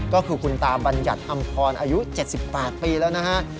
ก็คือคุณตาบรรยัตน์อำครน์อายุ๗๘ปีแล้วนะครับ